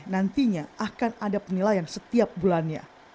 nantinya akan ada penilaian setiap bulannya